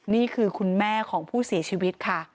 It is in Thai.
นี่คือคุณแม่ของผู้เสียชีวิตค่ะ